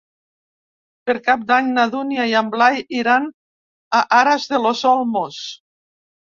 Per Cap d'Any na Dúnia i en Blai iran a Aras de los Olmos.